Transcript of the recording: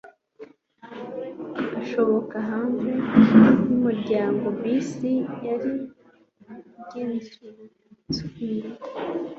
asohoka hanze yumuryango, bisi yari izengurutse inguni